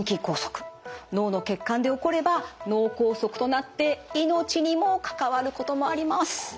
脳の血管で起これば脳梗塞となって命にも関わることもあります。